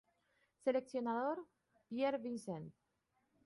Seleccionador: Pierre Vincent